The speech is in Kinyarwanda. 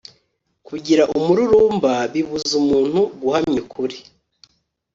kugira umururumba bibuza umuntu guhamya ukuri